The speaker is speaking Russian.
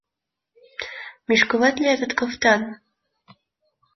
Мешковат ли этот кафтан?